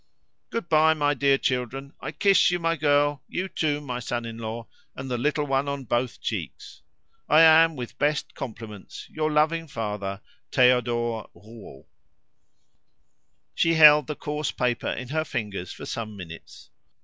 "Good bye, my dear children. I kiss you, my girl, you too, my son in law, and the little one on both cheeks. I am, with best compliments, your loving father. "Theodore Rouault." She held the coarse paper in her fingers for some minutes.